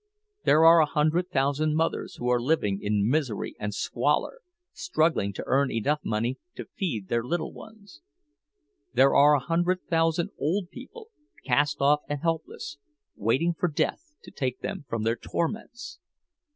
There are a hundred thousand mothers who are living in misery and squalor, struggling to earn enough to feed their little ones! There are a hundred thousand old people, cast off and helpless, waiting for death to take them from their torments!